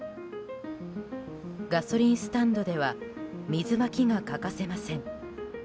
ガソリンスタンドでは水まきが欠かせません。